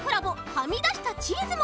「はみだしたチーズ」も！